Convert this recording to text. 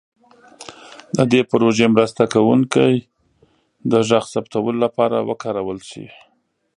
د دې پروژې مرسته کوونکي د غږ ثبتولو لپاره وکارول شي.